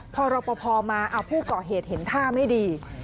พอรอปภมาผู้ก่อเหตุเห็นท่าไม่ดี